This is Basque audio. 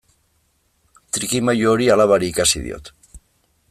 Trikimailu hori alabari ikasi diot.